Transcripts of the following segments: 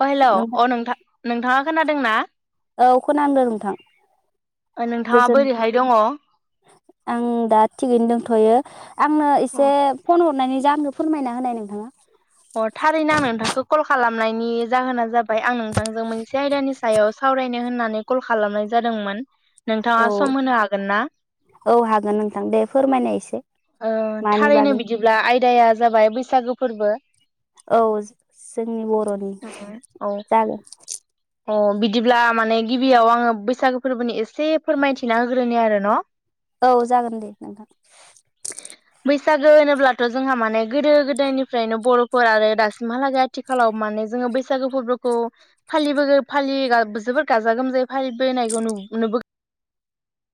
अ hello अ नोंथां नोंथाङा खोनादों ना औ खोनांदों नोंथां नोंथाङा गोजोन बोरैहाय दङ आं दा थिगैनो दंथ'यो आंनो एसे फन हरनायनि जाहोनखौ फोरमायना होनाय नोंथाङा अ थारैनो आं नोंथांखौ कल खालामनायनि जाहोना जाबाय आं नों ओ जों मोनसे आयदानि सायाव सावरायनो होननानै कल खालामनाय जादोंमोन नोंथाङा औ सम होनो हागोन ना औ हागोन नोंथां दे फोरमायनाय एसे मानि थारैनो बागै बिदिब्ला आयदाया जाबाय बैसागो फोरबो औ जोंनि बर'नि औ जागोन अ बिदिब्ला माने गिबियाव आङो बैसागो फोरबोनि ए एसे फोरमायथिना होग्रोनि आरो न' औ जागोन दे नोंथां बैसागो होनोब्लाथ' जोंहा माने गोदो गोदायनिफ्रायनो बर'फोर आरो दासिमहालागै आथिखालाव माने जोङो बैसागो फोरबोखौ फालिबो फालि जोबोर गाजा गोमजायै फालिबोनायखौ नुबो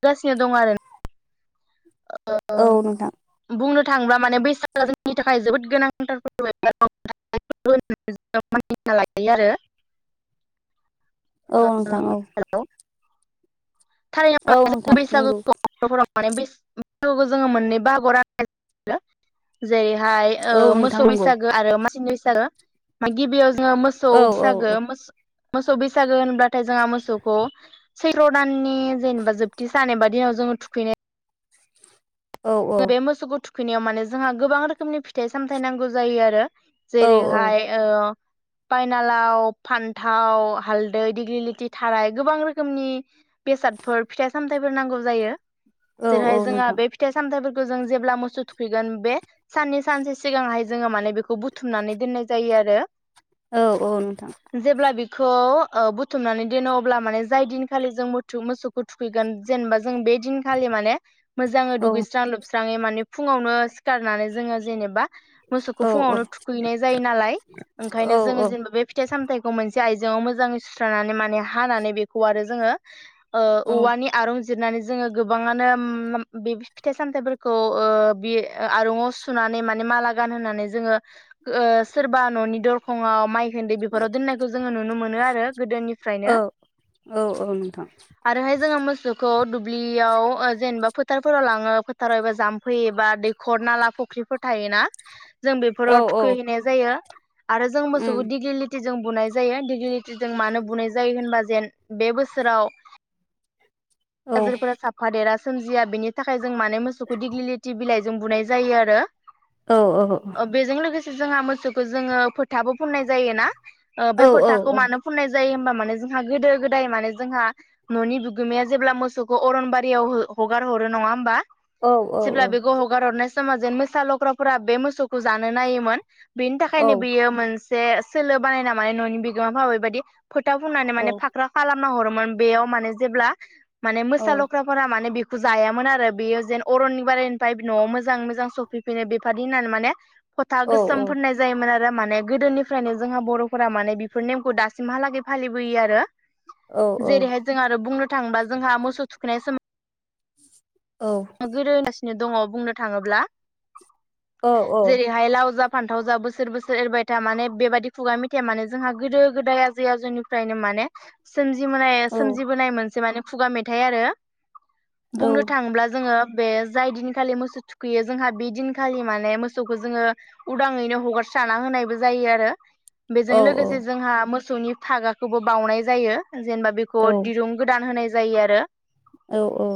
गासिनो दं आरो औ नोंथां थांब्ला माने बैसागआ जोंनि थाखाय जोबोद गोनांथार [unintelligible] लायो आरो औ नोंथां औ हेल' थारैनो औ म नोंथां नंगौ बैसागु'फोराव माने [unintelligible] [unintelligible] मोननै बाहागो आव [unintelligible] जेरैहाय औ ओ नोंथां मोसौ नंगौ बैसागो आरो मासि [unintelligible] गिबियाव जोङो मोसौ औ औ बैसागो औ मोसौ बैसागोन होनब्लाथाय जोंहा मोसौखौ सैत्र'दान नि जेनेबा जोबथि सानबा दिनाव जोङो थुखैनाय औ बे मोसौ थु थुखैनायाव माने जोंहा गोबां रोखोमनि फिथाइ सामथायाइ नांगौ जायो आरो औ जेर हाय ओ पायनालाव फान्थाव हालदै दिेग्लिलिथि थाराय गोबां रोखोमनि बेसादफोर फिथाइ सामथायाइफोर नांगौ जायो औ औ जेरैहाय जोंहा नोंथां बे फिथ थाइ जों जेब्ला मोसौ थुखैगोन बे साननि सानसे सिगांहाय जोङो माने बेखौ बुथुमनानै दोननाय जायो आरो औ औ नोंथां जेब्ला बेखौ ओ बुथुमनानै दोनो अब्ला माने जाय दिनखालि जों मथ मोसौखौ थुखैगोन जेनेबा जों बे दिनखालि माने मोजाङै औ दुगै स्रां लोबस्राङै माने फुङावनो सिखारनानै जोङो जेनेबा मोसौखौ औ औ फुङावनो थुखैनाय जायो नालाय ओंखायनो जोङो औ औ जेनेबा बे फिथाइ सामथाय मोनसे आइजआव मोजाङै सुस्रनानै माने हानानै बेखौ आरो जोङो ओ औवानि आरं जिरनानै जोङो गोबाङानो मा बे फिथाइ सामथायाइफोरखौ ओ बि आरंआव सुनानै माने माला गानहानै जोङो ओ सोरबा न'नि दरखङाव माइ बेफोराव दोननायखौ जोङो नुनो मोनो आरो औ गोदोनिफ्रायनो औ औ नोंथां आरोहाय जोङो मोसौखौ बियाव जेनेबा फोथारफोराव लां फोथाराव एबा जाम्फैयो एबा दैखर नाला फुख्रिफोर थायोना जों औ बेफोराव औ थुखैहैनाय जायो आरो जों मोसौखौ उम दिगलिलिथि जों बुनाय जायो डिग्लिलिथिजों मानो बुनाय जायो होनबा जेन बे बोसोराव औ आजारफोरा थाफा देरा सोमजिया बेनि थाखाय जों माने मोसौखौ दिगलिलिथि बिलाइ जों बुनाय जायो आरो। औ औ। ओ बेजों लोगोसे जोंहा मोसौखौ जोङो फोथाबो फुननाय जायो ना। ओ बे खोथाखौ मानो फुननाय जायो होमबा मानो जोंहा गोदो गोदाय माने जोंहा न'नि बिगोमाया जेब्ला मोसौखौ अरनबारियाव हो हगार हर रो नङा होमबा? जेब्ला बेखौ हगार हरनाय समा जेन मोसा लख्राफोरा बे मोसौखौ जानो नायोमोन। बिनि थाखायनो बियो मोनसे एसे सोलो बानाय ना माने न'नि बिगोमाफ्रा बेबायदि फोथा फुननानै माने फाख्रा खालार फुनना हरोमोन बेयाव माने जेब्ला माने मोसा लख्राफोरा माने बि जायामोन आरो बेयो जेन अरननि बारायनिफ्राय न'आव मोजाङै मोजां सफैफिनो बेफोरदि होननानै माने फथा गोसोम फोननाय जायोमोन आरो। बे माने गोदोनिफ्रायनो जोंहा बर'फोरा माने बेफोर नेमखौ दासिमहालागै फालिबोयो आरो। जेरैहाय जों आरो बुंनो थाङोबा जोंहा मोसौ थु खैनाय सम [unintelligible] नों दङ बुंनो थाङोब्ला। जेरेहाय लाव जाब फानथाव जा बोसोर बोसोर एरबाय था माने बेबायदि खुगा मिथाइया माने जोंहा गोदो गोदाय आजै आजौनिफ्रायनो माने सोमजिमोनाय सोमजिबोनाय मोनसे माने खुगा मेथाइ आरो। बुंनो थाङोब्ला जोङो बे जाय दिनखालि मोसौ थुखैयो जोंहा बे दिनखालि माने मोसौखौ जोङो उदाङैनो हगारस्राना होनायबो जायो आरो। बेजों लोगोसे जोंहा मो मोसौनि फागाखौबो बाउनाय जायो। जेनेबा बेखौ दिरुं गोदान होनाय जायो आरो। औ औ।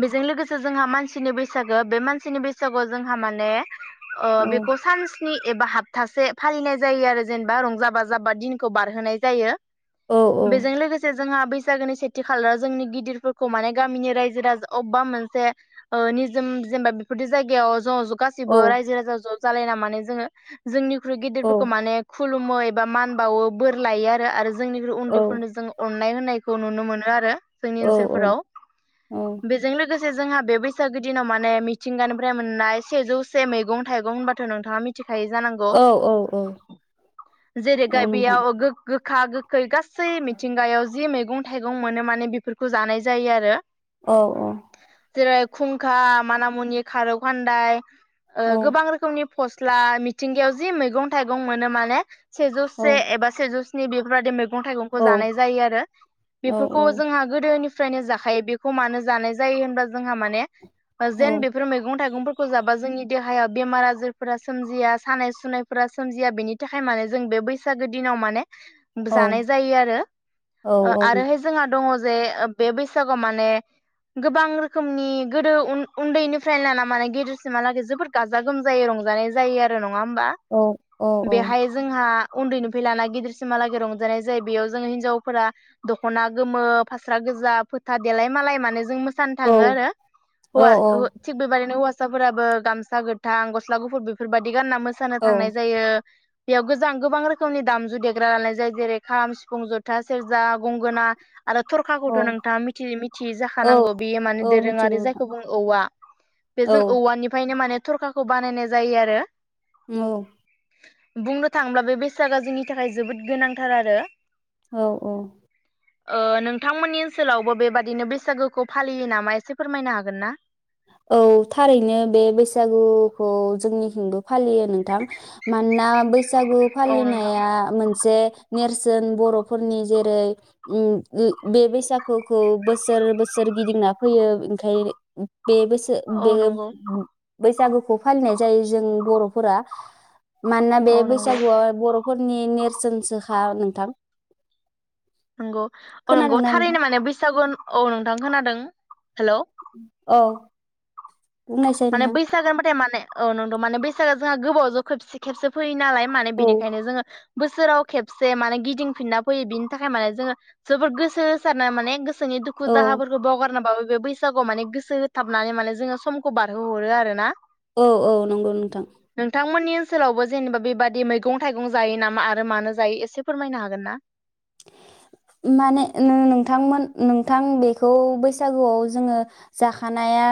बेजों लोगोसे जोंहा मानसिनि बैसागो बे मानसिनि बैसागुआव जोंहा माने अ बेखौ सान्स स्नि एबा हाफथासे फालिनाय जायो आरो जेनेबा रंजा बाजाबा दिनखौ बारहोनाय जायो। बेजों लोगोसे जोंहा बै बैसागोनि सेथि खालार जोंनि गिदिरफोरखौ माने गामिनि रायजो राजा अबबा मोनसे ओ निजोम जेनेबा बेफोरदि जायगायाव ज' ज' गासिबो रायजो राजा ज' जालायना माने जोङो जोंनि ख्रुइ गिदिरफोरखौ माने खुलुम मै एबा मान बावो बोर लायो आरो आरो जों जोंनिख्रु उन्दैफोरनो जों अन नाय होननायखौ नुनो मोनो आरो। जोंनि ओनसोलफोराव। बेजों लोगोस जोंहा बे बैसागो दिनाव माने मिथिंगानिफ्राय मोननाय सेजौ से मैगं-थाइगं होनबाथ' नोंथाङा मि मिथिखायो जानांगौ जेरै गाय बेयाव गो गो गोखा गोखै गास सै मिथिंगायाव जि मैग मैगं-थाइगं मोनो माने बिफोरखौ जानाय जायो आरो। औ अ'। जेरै खुंखा माना मुनि खारौ खान्दाय ओ गोबां रोखोमनि फस्ला मिथिंगायाव जि मैगं-थाइगं मोनो माने सेेजौ से एबा सेजौ नै बेफोरबादि मो मैगं-थाइगंखौ जानाय जायो आरो बेफोरखौ जोंहा गोदोनि फ्रायनो जाखायो बेखौ मानो जानाय जायो होनबा जोंहा माने अ जेन बेफोर मैगं-थाइगंफोरखौ खौजाबा जोंनि देहायाव बेमार आजारफोरा सोमजिया सानाय सुनायफोरा सोमजिया बेनि थाखाय माने जों बे बैसागो दिनाव माने जानाय जायो आरो ओ आरोहाय जोंहा दङ जे बे बैसागु माने गोबां रोखोमनि गोदो उन उन्दैनिफ्रायनो लाना माने गेदिरसिमहालागै जोबोद गाजा गोमजायै रंजानाय जायो आरो न' नङा हबा बेहाय जोंहा उन्दैनिफ्राय लाना गिदिरसिमहालागै रंजानाय जायो बेयाव जोङो हिनजावफोरा दख'ना गोमो फास्रा गोजा फोथा गोजा देलाय-मालाय माने जों मोसानो थाङो आरो होवा थिग बिदिनो हौवासा होवासाफोराबो गामसा गोथां गस्ला गुफुर बेफोरबायदि गानना मोसानो थांनाय जायो। बेयाव गोजां गोबां रोखोमनि दामजु देग्रा लानाय जायो जेरै खाम सिफुं जथा सेरजा गंगोना आरो औ थरखाखौथ' नोंथाङा मिथि मिथियै जा औ औ जानांगौ बियो माने औ दोरोंआरि मिथिगौ जायखो नोंथां बुङो औवा बे जों औवानिफ्रायनो माने थरखाखौ बानायनाय जायो आरो औ बुंनो थाङोब्ला बे बेसादा जोंनि थाखाय जोबोद गोनांथार आरो औ औ ओ नोंथांमोननि ओनसोलावबो बेबादिनो बैसागु खौ फालियो नामा एसे फोरमायनो हागोन ना? औ थारैनो बे बैसागुखौ जोंनिथिंबो फालियो नोंथां मानोना बै सागु औ नोंथां फालिनाया मोनसे नेरसोन बर'फोरनि जेरै उ ओ बे बैसागुखौ बोसोर बोसोर गिदिंना फैयो ओंखाय बे बैसो बे औ नंगौ बैसागुखौ फालिनाय जायो जों बर' बर'फोरा मानोना बे औ नंगौ बैसागुआव बर' फोरनि नेरसोनसोखा नोंथां नंगौ औ नंगौ खोनादोंना नोंथां थारैनो माने बैसागु औ नोंथां खोनादों। हेलौ औ बुंनायसाय माने नोंथां बैसागो होनबाथाय माने औ नंगौ माने बैसागआ जोंहा गोबाव जों खेबसे खेबसो फैयो नालाय माने औ बेनिखायनो जोङो बोसोराव खेबसे माने गिदिंफिनना फैयो बिनि थाखाय माने जोङो जोबोद गोसो होसारनो माने जोंनि दुखु औ दाहाफोरखौ बावगारनाबाबो बे बै सागु माने गोसो होथाबनानै माने जोङो सम खौ बारहो हरो आरो ना औ औ नोंगौ नोंथां नोंथांमोननि ओनसोलावबो जेनेबा बेबादि मैगं-थाइगं जायो नामा आरो मानो जायो एसे फोरमायनो हागोन ना माने नोंथांमोन नोंथां बेखौ बैसागुआव जोङो जाखानाया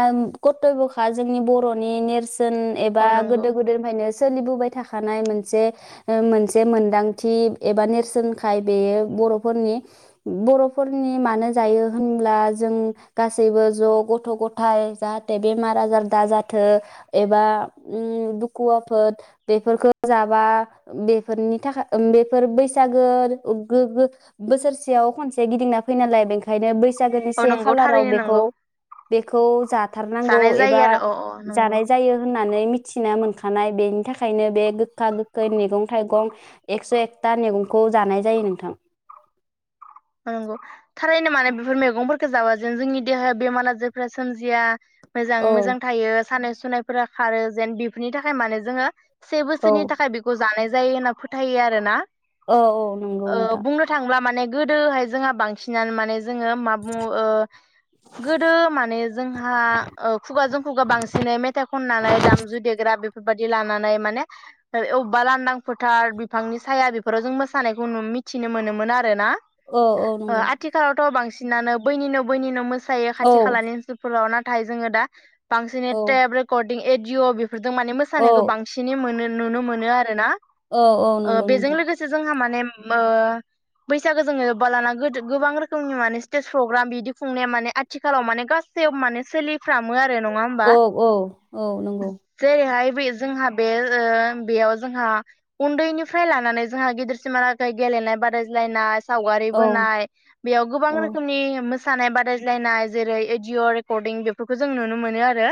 कतब्यखा जोंनि बर'नि नेरसो न औ एबा नंगौ गोदो गोदायनिफ्रायनो सोलिबोबाय थाखानाय मोनसे ओ मोनसे मोनदांथि एबा नेरसोनखाय बेयो बर'फोरनि बर'फोरनि मानो जायो होनब्ला जों गासैबो ज' गथ' गथाय जाहाथे बेमार आजार दाजाथों एबा उम दुखु आफोद बेफोरखौ जाबा बेफोरनि थाखाय बेफोर बैसागो गो गो बोसोरसेयाव खनसे गिदिंना फैनालाय बेखायनो बै जागोनि औ से नंगौ खालाराव थारैनो नंगौ बेखौ-बेखौ जाथारनांगौ जानाय जायो एबा आरो औ औ नंगौ जानाय जायो होनना माने मिथिना मोनखानाय बेनि थाखायनो बे गोखा गोखै मैगं थाइगं एकस' एकथा मैगंखौ जानाय जायो नोंथां अम नोंगौ थारैनो माने बेफोर मैगंफोरखौ थो जाबा जों जोंनि देहाया बेमार आजारफ्रा सोमजिया मोजाङै मोजां औ थायो सानाय सु सुनायफोरा खारो जेन बेफोरनि थाखाय माने जोङो से औ बोसोरनि थाखाय बेखौ जानाय जायो होनना फोथायो आरो ना औ औ नोंगौ ओ नोंथां बुंनो थांब्ला माने गोदोहाय जोंहा बांसिनानो माने जोङो मा बुङो ओ गोदो माने जोंहा ओ खुगाजों खुगा बांसिनै मेथाइ खननानै दामजु देग्रा बेफोर बेफोरबायदि लानानै माने अबेबा लांदां फोथार बिफांनि साया बेफोराव जों मोसानायखौ मिथिनो मोनोमोन आरो ना औ औ ओ नंगौ आथिखालावथ' बांसि नानो बैनि न-बैनि न मोसा सायो जायो औ खाथि खालानि ओनोलफोराव नाथ नाथाय जोङो दा बांसिनै औ थेब रेकर्ड एदिअ बि फोरजों माने मोसानायखौ बांसिनै मोनो नुनो मोनो आरो ना औ औ नोंगौ नोंथां। नेम ओ बैसागो जोङो बालाना गोदो गोबां रोखोमनि माने स्टेज प्रग्राम बिदि खुंनाया माने आथिखालाव माने गासै माने सोलि फ्रामो आरो नङा होमबा औ औ औ नंगौ जेरैहाय बोयो जोंहा बे ओ बेयाव जोंहा उन्दैनिफ्राय लानानै जोंहा गिदिरसिमहा लागै गेलेनाय बादाय्लायनाय सावगारि औ बोनाय बेयाव गोबां औ रोखोमनि मोस सानाय बादायज्लायनाय जेरै एडिअ' रेकर्डिं बेफोरखो जों नुनो मोनो आरो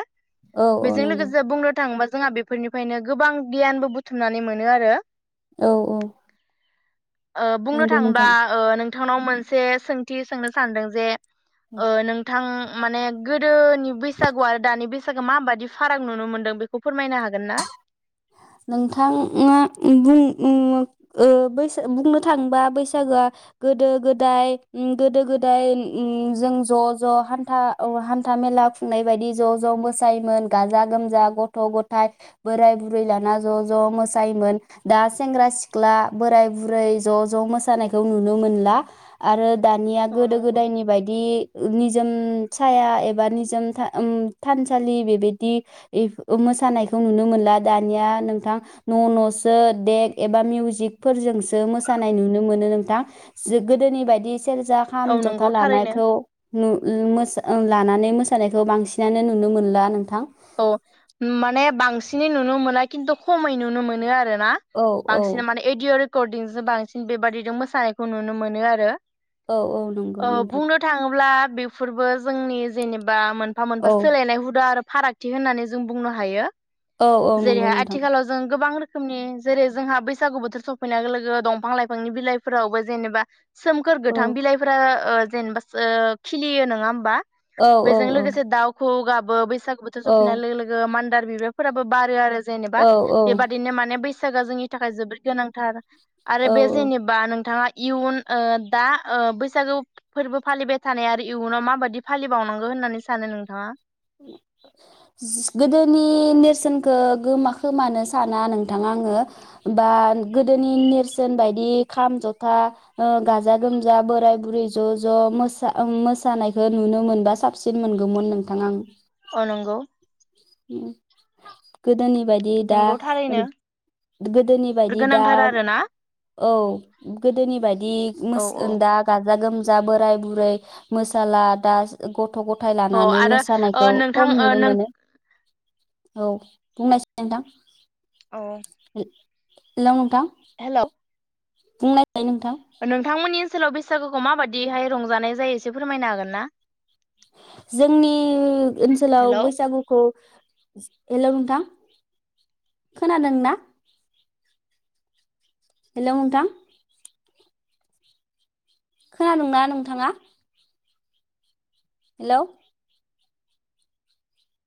औ बेजों नंगौ लोगोसे बुंनो थाङोबा जोंहा बेफोरनिफ्रायनो गोबां गियानबो बुथुमनानै मोनो आरो। औ औ ओ बुंनो नंगौ थाङो नोंथां ओ नोंथांनाव मोनसे सोंथि सोंनो सानदों जे औ ओ नोंथां माने गोदोनि बैसागु आरो दानि बैस सोगो माबायदि फाराग नुनो मोन्दों बेखौ फोरमायनो हागोन ना? नोंथा ङा ङो बुं ङो ओ बैसो बुंनो थाङोबा बैसागोआ गोदो गोदाय ओम गोदो गोदाय ओम जों ज' ज' हान्था अ हान्था मेला खुंनाय बायदि ज' ज' मोसायोमोन गाजा गोमजा गथ' गथाय बोराय बुरै लाना ज' ज' मोसायोमोन दा सेंग्रा सिख्ला बोराय बुरै ज' ज' मोसानायखौ नुनो मोनला आरो दानिया औ गोदो नंगौ गोदायनि बायदि निज जोम साया एबा निजोम था ओम थानसालि बेबायदि इफ ओ मोसानायखौ नुनो मोनला दानिया नोंथां न' न'सो देक एबा मिउजिकफोरजोंसो मोसानाय नुनो मोनो नोंथां जो गोदोनि बायदि सेरजा खाम औ नंगौ जथा थारैनो लानायखौ नु ओम मोस ओं लानानै मोसानायखौ बांसिनानो नुनो मोनला नों औ माने बांसि सिनै नुनो मोना खिन्थु खमै नुनो मोनो आरो ना औ औ बांसिन माने एदिअ' रेकरडिंजों बांसिन बेबादिजों मोसानायखौ नुनो मोनो आरो औ [inaudible] औ नंगौ नोंथां बुंनो थाङोब्ला बेफोरबो जोंनि जेनेबा मोनफा मोनफा औ सोलायनाय हुदा आरो फाराग थि होननानै जों बुंनो हायो औ औ नंगौ जेरैहा नोंथां आथिखालाव जों गोबां रोख रोखोमनि जेरै जोंहा बैसागु बोथोर सफैनाय लोगो लोगो दंफां लाइफांनि बिलाइफोरावबो जेनेबा सोमखोर औ गोथां बिलाइफोरा ओ जेनेबास ओ खिलियो नङा होमबा? औ औ बेजों औ लोगोसे दाउ खौवौ गाब बो बैसागो बोथ औ नो लोगो लोगो मान दार बिबारफोराबो बारो आरो जेनेबा औ औ बेबादिनो माने बै बैसागोआ जोंनि थाखाय जोबोद गोनांथार आरो औ बे औ जेनेबा नोंथाङा इयुन ओ दा ओ बैसागु फोरबो फालिबाय थानाय आरो इयुनाव माबादि फालिबावनांगौ होननानै सानो नोंथाङा? गोदोनि नेरसोनखौ गोमा खोमानो साना नोंथां आङो बा गोदोनि नेरसोन बायदि खाम जथा गाजा गोमजा बोराय बुरै ज' ज' मोसा मोसानायखौ नुनो मोनबा साबसिन मोनगौमोन नोंथां आं अ नंगौ गो गोदोनि बायदि दा नंगौ थारैनो गोदोनि बायदि दा गोनांथार आरोना औ गोदोनि बायदि दा औ औ मोसा गाजा गोमज जा बोराय बुरै मोसाला दा गथ गथ' गथाय औ लानानै आरो ओ मोसानायखौ नोंथां खम ओ नुनो नों मोनो [inaudible] औ बुंनायसाय नोंथां औ हेल' नोंथां हेल' बुंनाय [unintelligible] नोंथां ओनसोलाव बैसागुखौ माबाददिहाय रंजानाय जायो एसे फोरमायनो हागोन ना? जोंनि ओनसोलाव हेलौ बैसागुखौ हेल' नोंथां खोनादों ना हेलौ नोंथां खोनादोंना नोंथाङा? हेल'